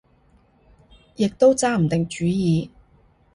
亦都揸唔定主意